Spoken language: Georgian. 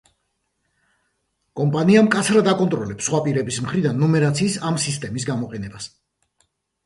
კომპანია მკაცრად აკონტროლებს სხვა პირების მხრიდან ნუმერაციის ამ სისტემის გამოყენებას.